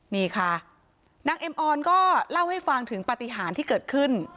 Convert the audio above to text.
นี่ค่ะนางเอ็มออนก็เล่าให้ฟังถึงปฏิหารที่เกิดขึ้น